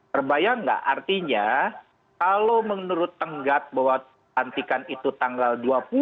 terbayang nggak artinya kalau menurut tenggat bahwa tantikan itu tanggal dua puluh